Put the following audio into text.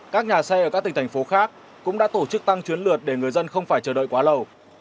các nhà xe ở các tỉnh thành phố khác cũng đã tổ chức tăng chuyến lượt để người dân không phải chờ đợi quá lâu